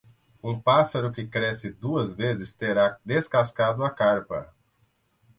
Um pássaro que cresce duas vezes terá descascado a carpa.